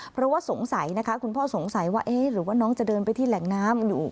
เพราะว่าสงสัยนะคะคุณพ่อสงสัยว่าเอ๊ะหรือว่าน้องจะเดินไปที่แหล่งน้ำอยู่